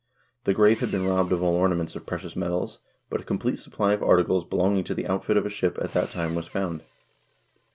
The grave had been robbed of all ornaments of precious metals, but a complete supply of articles be longing to the outfit of a ship at that time was found.